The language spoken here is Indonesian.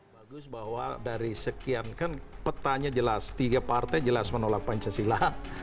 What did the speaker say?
bagus bahwa dari sekian kan petanya jelas tiga partai jelas menolak pancasila